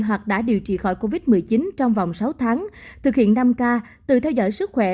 hoặc đã điều trị khỏi covid một mươi chín trong vòng sáu tháng thực hiện năm k từ theo dõi sức khỏe